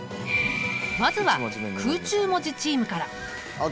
まずは空中文字チームから。